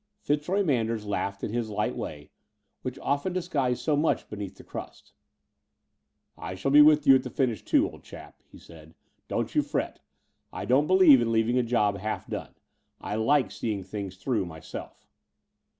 Pitzroy Manders laughed in his light way, which often disguised so much beneath the crust. "I shall be in at the finish, too, old chap," he said, "don't you fret. I don't believe in leaving a job half done. I like seeing things through my self."